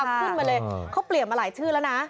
ขึ้นมาเลยเขาเปลี่ยนมาหลายชื่อแล้วนะ